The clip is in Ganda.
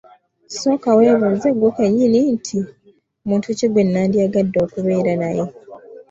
Sooka weebuuze ggwe kennyini nti, “muntu ki gwe nandyagadde okubeera naye?